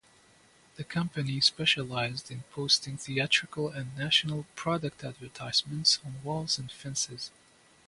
The company specialized in posting theatrical and national product advertisements on walls and fences.